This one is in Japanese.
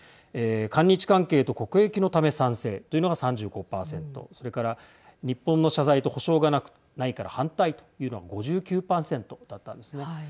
韓日関係と国益のため賛成というのが３５％それから日本の謝罪と補償がないから反対というのが５９％だったんですね。